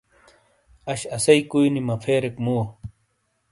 اش اَسئی کُوئی نی مَپھیریک مُوؤں۔